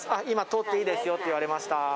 今通っていいですよって言われました